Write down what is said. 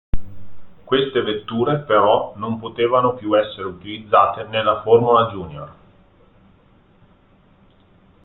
Queste vetture però non potevano più essere utilizzate nella Formula Junior.